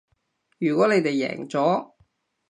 如果你哋贏咗